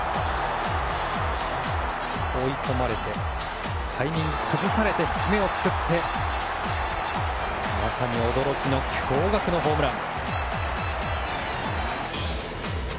追い込まれてタイミングを崩されて低めをすくってまさに驚きの驚愕のホームラン。